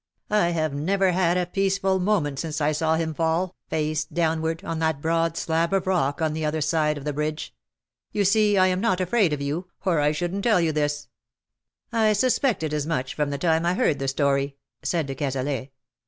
I have never had a peaceful moment since I saw him fall, face downward, on that broad slab of rock on the other side of the bridge. You see I am not afraid of you, or I shouldnH tell you this." '^ I suspected as much from the time I heard the story," said de Cazalet.